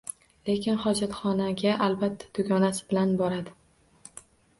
Lekin hojatxonaga albatta dugonasi bilan boradi..